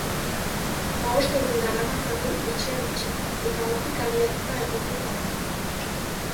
Hamabost egun daramatzagu etxean itxita, eta hortik abiatuta egin du tartea.